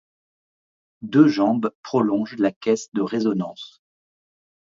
Deux jambes prolongent la caisse de résonance.